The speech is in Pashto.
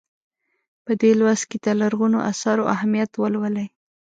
په دې لوست کې د لرغونو اثارو اهمیت ولولئ.